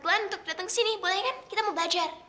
cuma glenn untuk dateng kesini boleh kan kita mau belajar